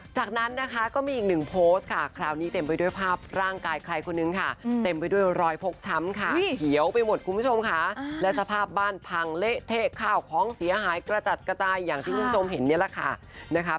จากนั้นนะคะก็มีอีกหนึ่งโพสต์ค่ะคราวนี้เต็มไปด้วยภาพร่างกายใครคนนึงค่ะเต็มไปด้วยรอยพกช้ำค่ะเขียวไปหมดคุณผู้ชมค่ะและสภาพบ้านพังเละเทะข้าวของเสียหายกระจัดกระจายอย่างที่คุณผู้ชมเห็นนี่แหละค่ะนะคะ